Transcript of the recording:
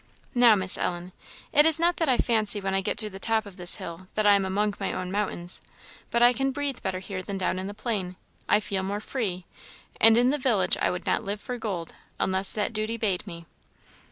Now, Miss Ellen, it is not that I fancy when I get to the top of this hill that I am among my own mountains, but I can breathe better here than down in the plain. I feel more free; and in the village I would not live for gold, unless that duty bade me."